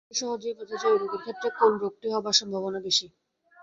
এভাবে সহজেই বোঝা যায় এই রোগীর ক্ষেত্রে কোন রোগটি হবার সম্ভাবনা বেশী।